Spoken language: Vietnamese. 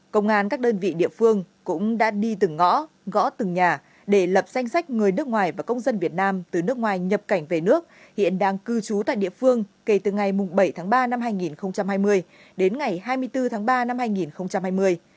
công an các đơn vị địa phương cũng đã đi từng ngõ gõ từng nhà để lập danh sách người nước ngoài và công dân việt nam từ nước ngoài nhập cảnh về nước hiện đang cư trú tại địa phương kể từ ngày bảy tháng ba năm hai nghìn hai mươi đến ngày hai mươi bốn tháng ba năm hai nghìn hai mươi